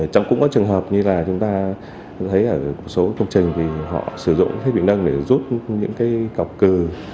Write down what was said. trong cũng có trường hợp như là chúng ta thấy ở một số công trình thì họ sử dụng thiết bị nâng để giúp những cái cọc cử